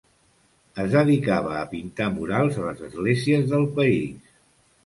Es dedicava a pintar murals a les esglésies del país.